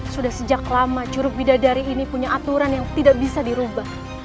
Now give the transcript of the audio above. sudah sejak lama curug bidadari ini punya aturan yang tidak bisa dirubah